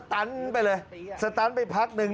ตันไปเลยสตันไปพักหนึ่ง